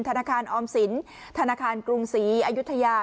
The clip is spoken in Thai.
ธนาคารออมศิลป์ธนาคารกรุงศรีอยุธยาฯ